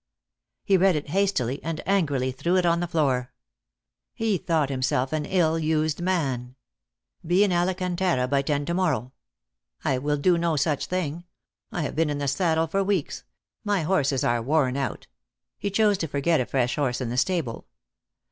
He read it hastily, and angrily threw it on th^ floor. He thought himself an ill used man !" Be in Alcan tara by ten to morrow !" I will do no such thinw f *& I have been in the saddle for weeks. My horses are worn out," (he chose to forget a fresh horse in the stable.)